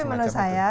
tapi menurut saya